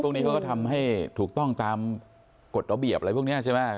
พวกนี้เขาก็ทำให้ถูกต้องตามกฎระเบียบอะไรพวกนี้ใช่ไหม